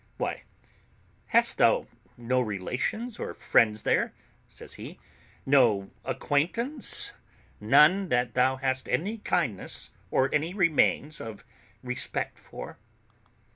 "Why, hast thou no relations or friends there?" says he; "no acquaintance none that thou hast any kindness or any remains of respect for?"